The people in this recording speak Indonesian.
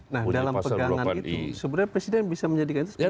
nah dalam pegangan itu sebenarnya presiden bisa menyadikannya